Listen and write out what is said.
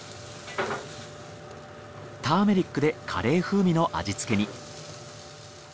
ターメリックでカレー風味の味付けに。